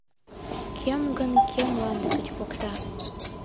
Кӧм гын кӧ мланде гыч покта?